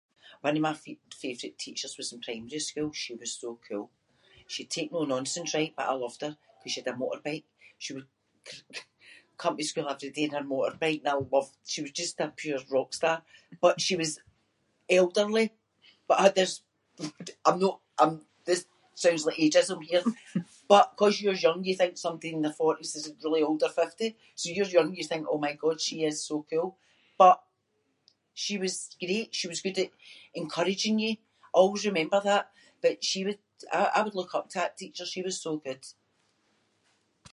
One of my f- favourite teachers was in primary school. She was so cool. She’d take no nonsense right but I loved her ‘cause she had a motorbike. She would c-come to school every day in her motorbike and I loved- she was just a pure rock star but she was elderly but I had this- I’m no- I’m- this sounds like ageism here but ‘cause you’re young you think somebody in their forties is really old or fifty so you’re young and you think oh my god she is so cool but she was great. She was good at encouraging you. I always remember that but she would- I- I would look up to that teacher. She was so good.